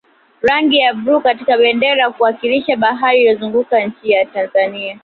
rangi ya bluu katika bendera huwakilisha bahari iliyozunguka nchi ya tanzania